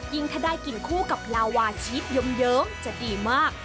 ถ้าได้กินคู่กับลาวาชีสเยิ้มจะดีมาก